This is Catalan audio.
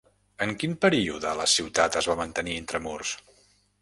En quin període la ciutat es va mantenir intramurs?